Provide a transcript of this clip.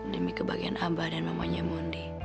demi kebahagiaan ampah dan mamahnya mundi